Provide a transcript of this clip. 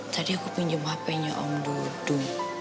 tadi aku pinjam hpnya om dodo